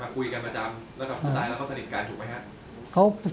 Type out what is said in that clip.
คุยกันประจำแล้วกับผู้ตายเราก็สนิทกันถูกไหมครับ